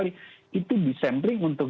itu di sampling untuk